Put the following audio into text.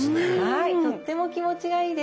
はいとっても気持ちがいいです。